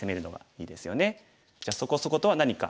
じゃあ「そこそこ」とは何か。